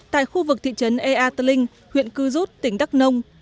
tại khu vực thị trấn ea tờ linh huyện cư rút tỉnh đắk nông